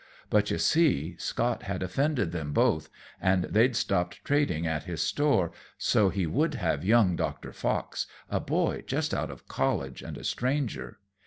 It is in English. But, you see, Scott had offended them both, and they'd stopped trading at his store, so he would have young Doctor Fox, a boy just out of college and a stranger.